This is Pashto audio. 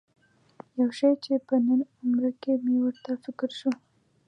یو شی چې په نن عمره کې مې ورته فکر شو.